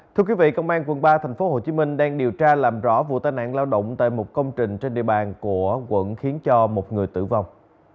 thưa quý vị công an quận ba thành phố hồ chí minh đang điều tra làm rõ vụ tai nạn lao động tại một công trình trên địa bàn của quận khiến cho một người tử vong